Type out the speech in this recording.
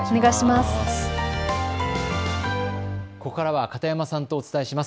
ここからは片山さんとお伝えします。